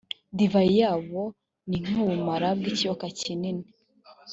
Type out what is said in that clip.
divayi yabo ni nk’ubumara bw’ikiyoka kinini,